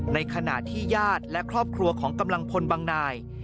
ในขณะที่ญาติและครอบครัวของกำลังพลบางนาย